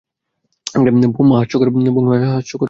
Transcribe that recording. বোহ, হাস্যকর কথা বলো না তো।